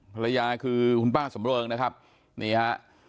ภรรยาคือคุณป้าสำเริงนะครับนี่ฮะ